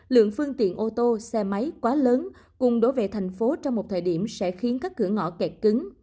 lượng phương tiện ô tô xe máy quá lớn cùng đổ về thành phố trong một thời điểm sẽ khiến các cửa ngõ kẹt cứng